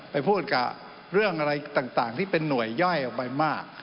ไปพูดกับเรื่องอะไรต่างที่เป็นหน่วยย่อยออกไปมาก